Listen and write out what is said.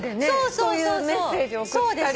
そういうメッセージ送ったり。